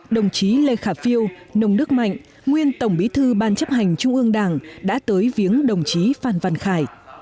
đồng chí lê khả phiêu nông đức mạnh nguyên tổng bí thư ban chấp hành trung ương đảng đã tới viếng đồng chí phan văn khải